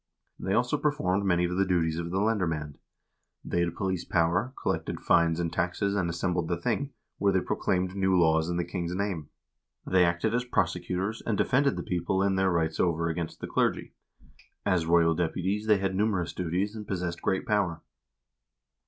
They also performed many of the duties of the lendermand. They had police power, collected fines and taxes, and assembled the thing, where they proclaimed new laws in the king's name. They 388 HISTORY OF THE NORWEGIAN PEOPLE acted as prosecutors, and defended the people in their rights over against the clergy; as royal deputies they had numerous duties, and possessed great power.